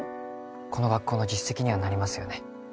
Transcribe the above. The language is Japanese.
この学校の実績にはなりますよね